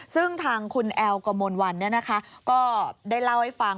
ซึ่งทางคุณแอลกมลวันก็ได้เล่าให้ฟัง